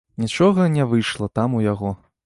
Нічога не выйшла там у яго.